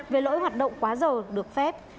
về lỗi hoạt động quá dầu được phép